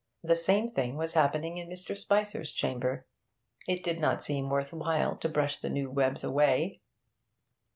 The same thing was happening in Mr. Spicer's chamber. It did not seem worth while to brush the new webs away.